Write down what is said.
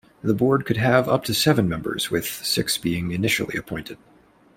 The board could have up to seven members, with six being initially appointed.